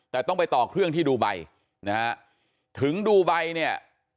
แต่ต้องไปต่อเครื่องที่ดูใบนะฮะถึงดูใบเนี่ย